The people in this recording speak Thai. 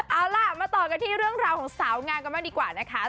เอาล่ะมาต่อกันที่เรื่องราวของสาวงามกันบ้างดีกว่านะคะ